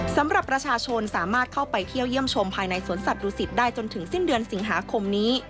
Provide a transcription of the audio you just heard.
สำหรับประชาชนสามารถเข้าไปเที่ยวเยี่ยมชมภายในสวนสัตวศิษฐ์ได้จนถึงสิ้นเดือนสิงหาคมนี้